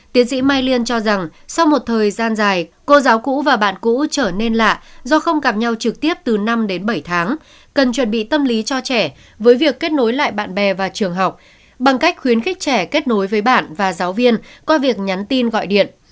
tiến sĩ mai liên cho rằng sau một thời gian dài cô giáo cũ và bạn cũ trở nên lạ do không gặp nhau trực tiếp từ năm đến bảy tháng cần chuẩn bị tâm lý cho trẻ với việc kết nối lại bạn bè và trường học bằng cách khuyến khích trẻ kết nối với bạn và giáo viên qua việc nhắn tin gọi điện